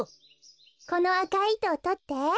このあかいいとをとって。